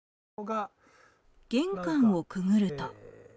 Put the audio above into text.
玄関をくぐると。